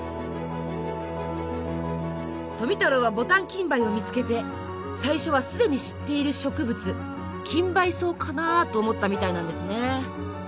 富太郎はボタンキンバイを見つけて最初は既に知っている植物キンバイソウかな？と思ったみたいなんですね。